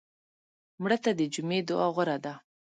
مړه ته د جمعې دعا غوره ده